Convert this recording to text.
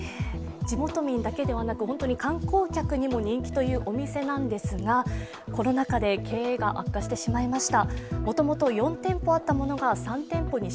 地元民だけではなく、本当に観光客にも人気というお店なんですが、コロナ禍で経営が悪化してしまいました。